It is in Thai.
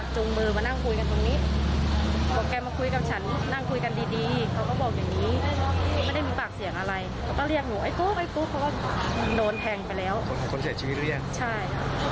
ช่วยไม่ได้คล้ายแบบมาง้อให้กลับไปคืนดีใช่